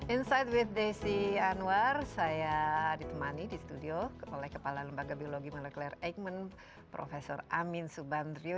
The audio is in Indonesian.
insight with desi anwar saya ditemani di studio oleh kepala lembaga biologi molekuler eijkman prof amin subandrio